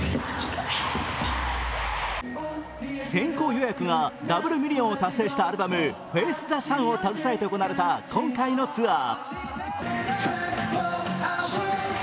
先行予約がダブルミリオンを達成したアルバム「ＦａｃｅｔｈｅＳｕｎ」を携えて行われた今回のツアー。